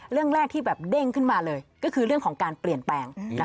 เรื่องแรกที่แบบเด้งขึ้นมาเลยก็คือเรื่องของการเปลี่ยนแปลง